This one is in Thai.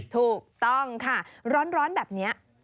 ถูกต้องค่ะร้อนแบบนี้